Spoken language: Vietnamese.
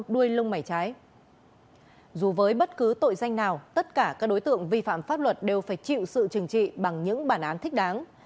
dù với bất cứ tội danh nào tất cả các đối tượng vi phạm pháp luật đều phải chịu sự trừng trị bằng những bản án thích đáng